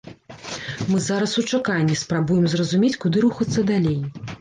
Мы зараз у чаканні, спрабуем зразумець, куды рухацца далей.